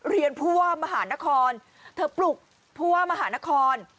ผู้ว่ามหานครเธอปลุกผู้ว่ามหานคร